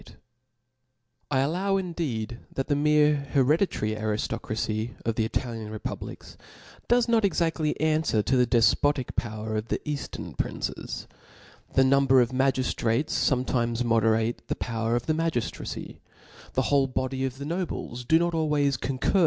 • At Venkt. 11 324 THESPIRIt Book I allow indeed that the mere hereditary ariftd Cb^'s^ cracy of the Italian republics, does not exadly an* fwer to the defpotic power of the Eaftern princes^ The number of magiftratesfometimes moderate the power of the magtftracy ; the whole body of the nobles do not always concur.